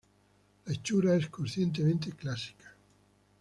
La hechura es conscientemente clásica.